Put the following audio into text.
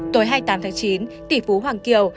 tối hai mươi tám tháng chín tỷ phú hoàng kiều